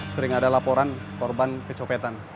sering ada laporan korban kecopetan